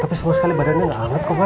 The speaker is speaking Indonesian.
tapi sama sekali badannya gak hangat kok ma